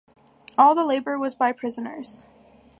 All the labor was by prisoners.